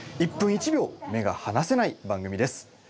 １分１秒目がはなせない番組です。